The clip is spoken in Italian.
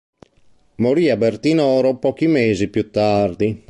Morì a Bertinoro pochi mesi più tardi.